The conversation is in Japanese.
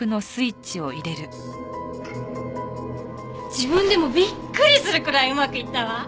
自分でもびっくりするくらいうまくいったわ。